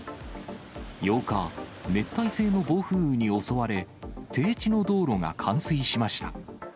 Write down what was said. ８日、熱帯性の暴風雨に襲われ、低地の道路が冠水しました。